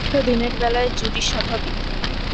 অবশ্য দিনের বেলায় জুডি স্বাভাবিক।